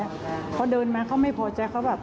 เขาเดินมาเขาไม่พอใจเขาแบบ